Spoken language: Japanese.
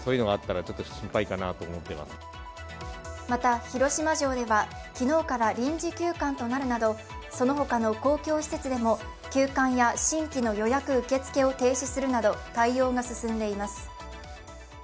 また、広島城では昨日から臨時休館となるなど、そのほかの公共施設でも休館や新規の予約受付を停止するなど対応が進んでいます。